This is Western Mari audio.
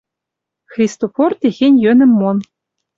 Христофор техеньӹ йӧнӹм мон.